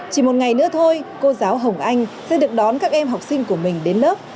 chỉ một ngày nữa thôi cô giáo hồng anh sẽ được đón các em học sinh của mình đến lớp